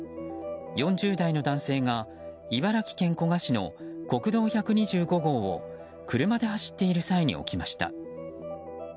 ４０代の男性が、茨城県古河市の国道１２５号を車で走っている際に起きました。